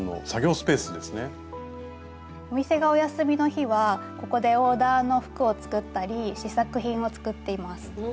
スタジオお店がお休みの日はここでオーダーの服を作ったり試作品を作っています。